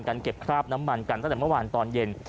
เก็บคราบน้ำมันกันตั้งแต่เมื่อวานตอนเย็น